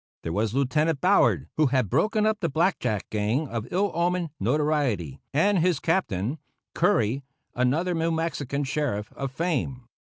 There was Lieutenant Ballard, who had broken up the Black Jack gang of ill omened notoriety, and his Captain, Curry, another New Mexican sheriff of fame.